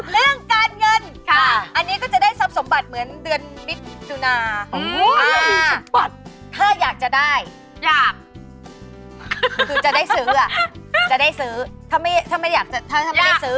เรื่องการเงินอันนี้ก็จะได้สมบัติเหมือนเดือนวิทยุนาถ้าอยากจะได้คือจัดได้ซื้อ